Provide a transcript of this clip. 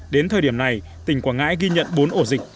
đến thời điểm này tỉnh quảng ngãi ghi nhận bốn ổ dịch